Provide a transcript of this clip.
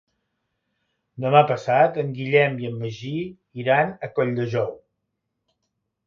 Demà passat en Guillem i en Magí iran a Colldejou.